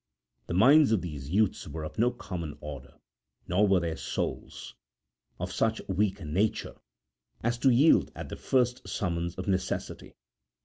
The minds of these youths were of no common order, nor were their souls of such weak nature as to yield at the first summons of necessity.